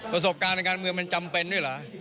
ประสบการณ์ทางการเมืองมันจำเป็นด้วยเหรอ